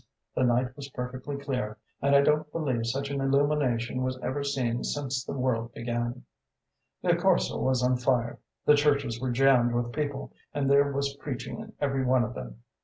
The night was perfectly clear, and I don't believe such an illumination was ever seen since the world began. The Corso was on fire; the churches were jammed with people, and there was preaching in every one of them.